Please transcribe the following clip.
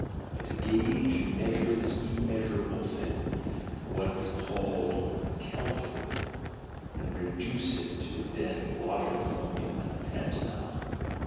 —But to gauge and measure this immeasurable Thing, and what is called account for it, and reduce it to a dead logic formula, attempt not!